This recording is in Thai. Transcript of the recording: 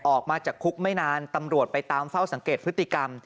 ออกมาจากคุกไม่นานตำรวจไปตามเฝ้าสังเกตพฤติกรรม